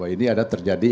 ini ada terjadi